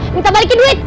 minta balikin duit